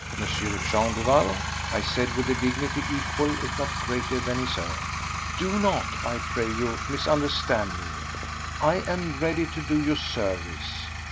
Jean Duval," I said with a dignity equal, if not greater, than his own; "do not, I pray you, misunderstand me. I am ready to do you service.